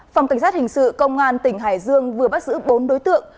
phòng cảnh sát hình sự công an tỉnh hải dương vừa bắt giữ bốn đối tượng